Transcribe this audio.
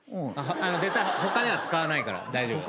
絶対他では使わないから大丈夫。